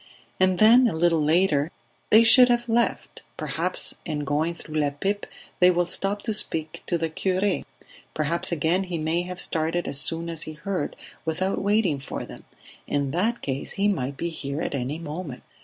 And then a little later: "They should have left; perhaps in going through La Pipe they will stop to speak to the cure; perhaps again he may have started as soon as he heard, without waiting for them. In that case he might be here at any moment."